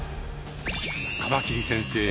カマキリ先生